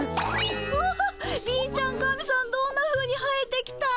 うわ貧ちゃん神さんどんなふうに生えてきたん？